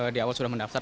di awal sudah mendaftar